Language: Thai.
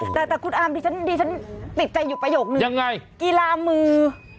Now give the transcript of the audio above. แต่คุณอามดิฉันติดใจอยู่ประโยคนึงกีฬามือค่ะยังไง